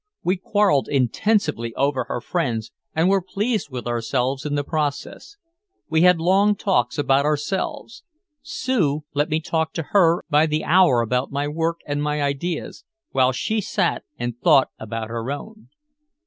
We quarreled intensely over her friends and were pleased with ourselves in the process. We had long talks about ourselves. Sue let me talk to her by the hour about my work and my ideas, while she sat and thought about her own.